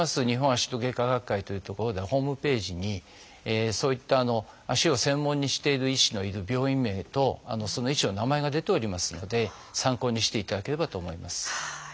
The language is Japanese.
日本足の外科学会というところではホームページにそういった足を専門にしている医師のいる病院名とその医師の名前が出ておりますので参考にしていただければと思います。